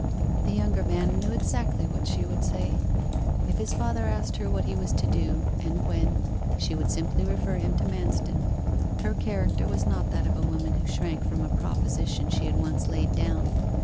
The younger man knew exactly what she would say. If his father asked her what he was to do, and when, she would simply refer him to Manston: her character was not that of a woman who shrank from a proposition she had once laid down.